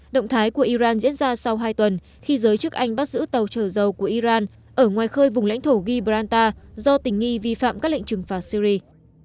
động thái của iran diễn ra sau hai tuần khi giới chức anh bắt giữ tàu trở dầu của iran ở ngoài khơi vùng lãnh thổ gibranta do tình nghi vi phạm các lệnh trừng phạt syri